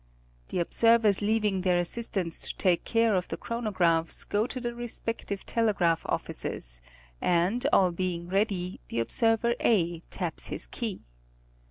The observers leaving their assistants to take care of the chrono graphs, go to. the respective telegraph offices, and all being ready, the observer A taps his key.